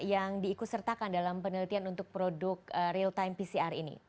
yang diikut sertakan dalam penelitian untuk produk real time pcr ini